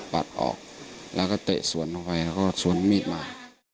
ปัดออกแล้วก็เตะสวนลงไปแล้วก็สวนมีดมา